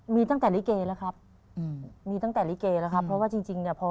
มีตั้งแต่ละเกรแล้วครับเพราะว่าจริงเนี่ย